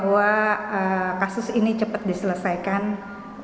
harapannya bahwa kasus ini cepat diselesaikan pada ketiga yang belum tertangkap